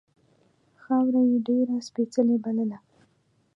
خاوره یې ډېره سپېڅلې بلله.